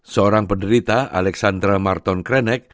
seorang penderita alexandra marton krenek